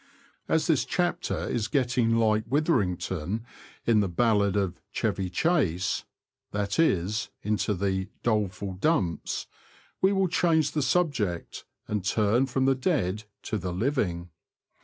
As this chapter is getting like Witherington in the ballad of ''Chevy Chase/' that is, into the ''doleful dumps," we will change the subject, and turn from the dead to the living.